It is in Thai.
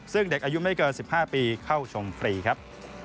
ซึ่งเด็กอายุไม่เกิน๑๕ปีเข้าชมฟรีครับ